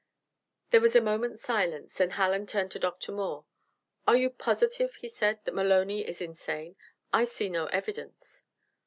There was a moment's silence, then Hallen turned to Dr. Moore: "Are you positive," he said, "that Maloney is insane? I see no evidence."